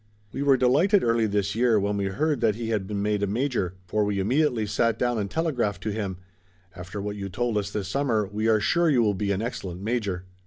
We were delighted early this year when we heard that he had been made a major, for we immediately sat down and telegraphed to him: "After what you told us this summer, we are sure you will be an excellent major."